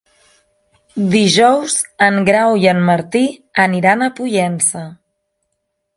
Dijous en Grau i en Martí aniran a Pollença.